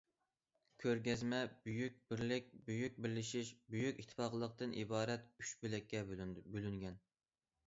كۆرگەزمە« بۈيۈك بىرلىك»،« بۈيۈك بىرلىشىش»،« بۈيۈك ئىتتىپاقلىق» تىن ئىبارەت ئۈچ بۆلەككە بۆلۈنگەن.